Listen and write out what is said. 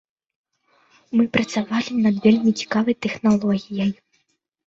Мы працавалі над вельмі цікавай тэхналогіяй.